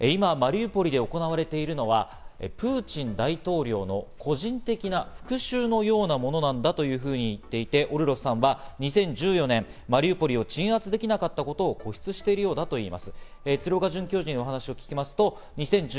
今マリウポリで行われているのは、プーチン大統領の個人的な復讐のようなものなんだというふうに言っていてオルロフさんは２０１４年、マリウポリを鎮圧できなかったことに固執しているようだといいます。